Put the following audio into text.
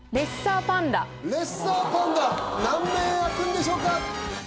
レッサーパンダ何面あくんでしょうか？